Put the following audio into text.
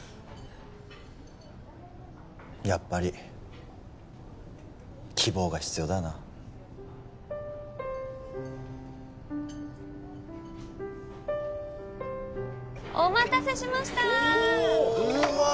やっぱり希望が必要だよなお待たせしましたおっ！